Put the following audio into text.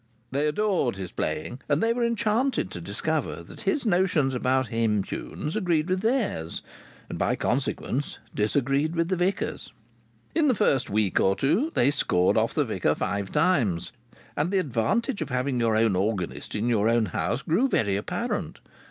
They adored his playing, and they were enchanted to discover that his notions about hymn tunes agreed with theirs, and by consequence disagreed with the vicar's. In the first week or two they scored off the vicar five times, and the advantage of having your organist in your own house grew very apparent.